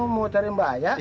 mau cari mbak ayah